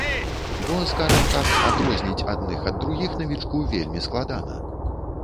Бо, скажам так, адрозніць адных ад другіх навічку вельмі складана.